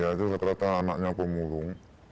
ya itu rata rata anaknya pemurung